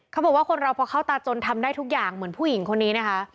เขาบอกว่าคนเราพอเข้าตาจนทำได้ทุกอย่างเหมือนผู้หญิงคนนี้นะคะ